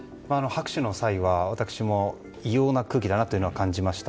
拍手の際は、私も異様な空気だなと感じました。